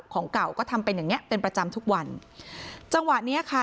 ของเก่าก็ทำเป็นอย่างเงี้เป็นประจำทุกวันจังหวะเนี้ยค่ะ